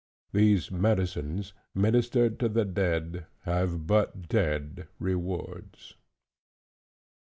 These medicines, ministered to the dead, have but dead rewards.